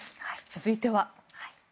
続いては。